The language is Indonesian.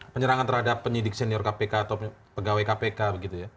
penyerangan terhadap penyidik senior kpk atau pegawai kpk begitu ya